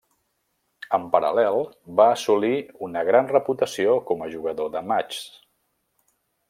En paral·lel, va assolir una gran reputació com a jugador de matxs.